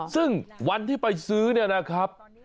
ซึ่งวันที่ไปซื้อเนี่ยนะครับ